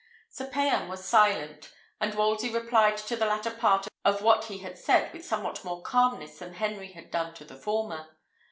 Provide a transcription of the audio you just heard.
Sir Payan was silent, and Wolsey replied to the latter part of what he had said with somewhat more calmness than Henry had done to the former.